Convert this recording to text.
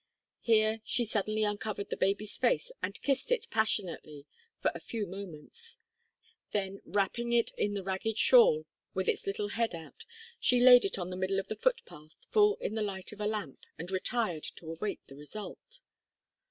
Here she suddenly uncovered the baby's face and kissed it passionately for a few moments. Then, wrapping it in the ragged shawl, with its little head out, she laid it on the middle of the footpath full in the light of a lamp, and retired to await the result.